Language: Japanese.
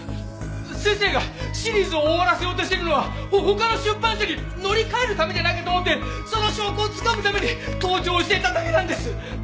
先生がシリーズを終わらせようとしてるのは他の出版社に乗り換えるためじゃないかと思ってその証拠をつかむために盗聴していただけなんです！